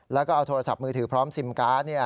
แล้วก็เอาโทรศัพท์มือถือพร้อมซิมการ์ด